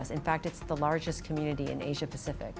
sebenarnya ini adalah komunitas yang paling besar di asia pasifik